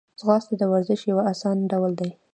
ځغاسته د ورزش یو آسانه ډول دی